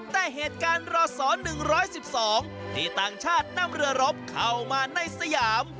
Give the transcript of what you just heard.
แต่เหตุการณ์รศ๑๑๒ที่ต่างชาตินำเรือรบเข้ามาในสยาม